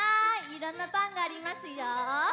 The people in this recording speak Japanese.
いろんなパンがありますよ。